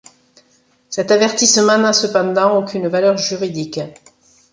Cet avertissement n’a cependant aucune valeur juridique.